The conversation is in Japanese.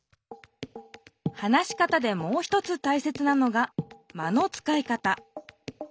話し方でもう一つたいせつなのが「間のつかい方」。